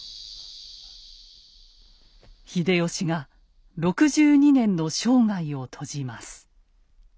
秀吉が６２年の生涯を閉じます。